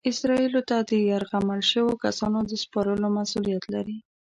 اسرائیلو ته د یرغمل شویو کسانو د سپارلو مسؤلیت لري.